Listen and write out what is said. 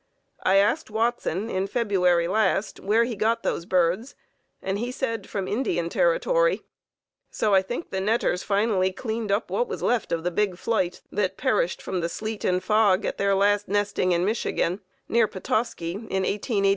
I asked Watson, in February last, where he got those birds, and he said from Indian Territory, so I think the netters finally cleaned up what was left of the big flight that perished from the sleet and fog at their last nesting in Michigan, near Petoskey, in 1881.